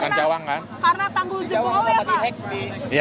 karena tanggul jempol ya pak